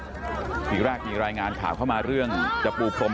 แบบนั้นแล้วก็เห็นมีรายงานบอกเดี๋ยวจะเอาพรมแดงมาปูด้วย